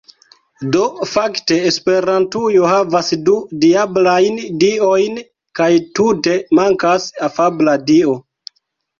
Do fakte esperantujo havas du diablajn diojn kaj tute mankas afabla dio